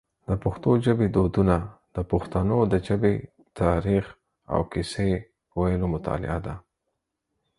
د پښتو ژبی دودونه د پښتنو د ژبی تاریخ او کیسې ویلو مطالعه ده.